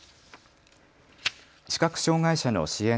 視覚障害者の支援